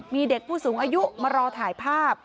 มีเด็กผู้สูงอายุมารอถ่ายภาพ